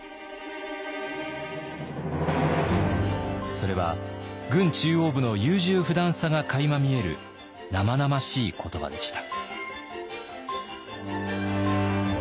それは軍中央部の優柔不断さがかいま見える生々しい言葉でした。